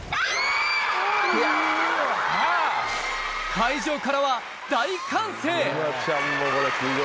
会場からは大歓声！